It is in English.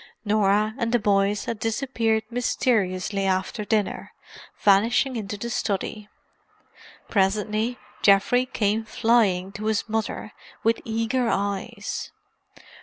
Norah and the boys had disappeared mysteriously after dinner, vanishing into the study. Presently Geoffrey came flying to his mother, with eager eyes.